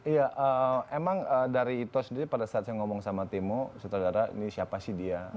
iya emang dari ito sendiri pada saat saya ngomong sama timo sutradara ini siapa sih dia